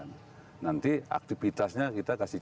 nanti aktivitasnya kita kasih